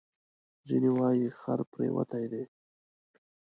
ځینې وایي خر پرېوتی دی.